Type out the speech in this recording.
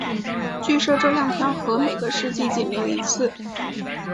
据说这两条河流每个世纪仅流一次。